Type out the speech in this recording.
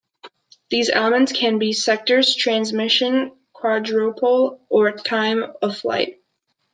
These elements can be sectors, transmission quadrupole, or time-of-flight.